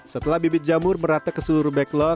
setelah bibit jamur merata ke seluruh backlone